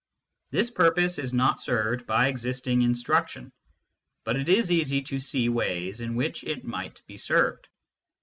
This purpose is not served by existing instruction ; but it is easy to see ways in which it might be served.